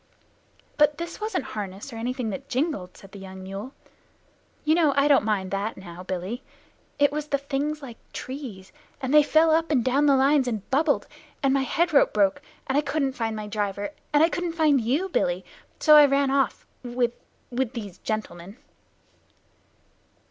"But this wasn't harness or anything that jingled," said the young mule. "You know I don't mind that now, Billy. It was Things like trees, and they fell up and down the lines and bubbled; and my head rope broke, and I couldn't find my driver, and I couldn't find you, Billy, so I ran off with with these gentlemen."